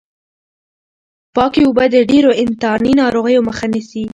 پاکې اوبه د ډېرو انتاني ناروغیو مخه نیسي.